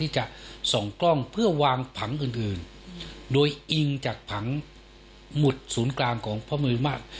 จะไปอิงจากผังหมุดศูนย์กลางของพระเมรุมาตร